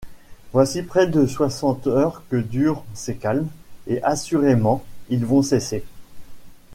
Voici près de soixante heures que durent ces calmes, et, assurément, ils vont cesser.